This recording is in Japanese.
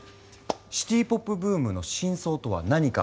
シティ・ポップブームの真相とは何か。